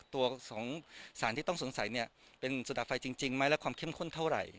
ตัวของสารที่ต้องสงสัยเนี่ยเป็นสุดาไฟจริงไหมและความเข้มข้นเท่าไหร่